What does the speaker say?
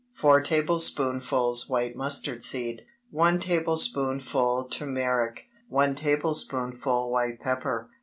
4 tablespoonfuls white mustard seed. 1 tablespoonful turmeric. 1 tablespoonful white pepper.